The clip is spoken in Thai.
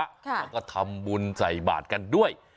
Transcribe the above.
แล้วก็ทำบุญใส่บาทกันด้วย